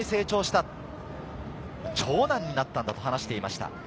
長男になったんだと話していました。